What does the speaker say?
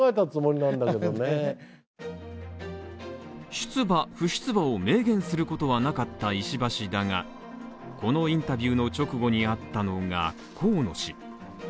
出馬・不出馬を明言することはなかった石破氏だがこのインタビューの直後に会ったのが河野氏。